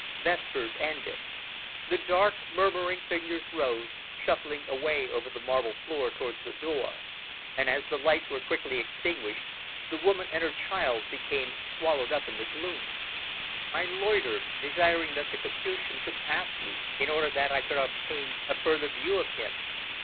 Vespers ended. The dark, murmuring figures rose, shuffling away over the marble floor towards the door, and as the lights were quickly extinguished, the woman and her child became swallowed up in the gloom. I loitered, desiring that the Capuchin should pass me, in order that I could obtain a further view of him.